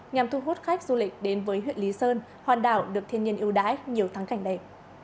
nhằm thu hút khách du lịch đến với huyện lý sơn hòn đảo được thiên nhiên yêu đái nhiều thắng cảnh đẹp